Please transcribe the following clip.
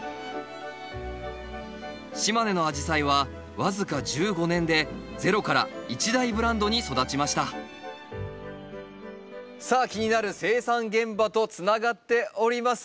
島根のアジサイは僅か１５年でゼロから一大ブランドに育ちましたさあ気になる生産現場とつながっております。